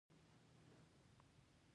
آیا دا کار نړۍ ته زیان نه رسوي؟